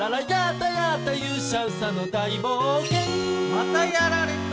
またやられた。